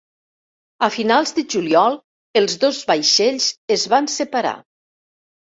A finals de juliol els dos vaixells es van separar.